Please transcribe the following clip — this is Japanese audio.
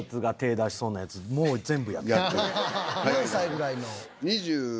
何歳ぐらいの？